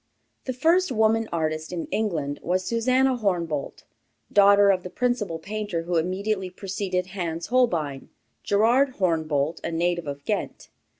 The first woman artist in England was Susannah Hornebolt, daughter of the principal painter who immediately preceded Hans Holbein, Gerard Hornebolt, a native of Ghent.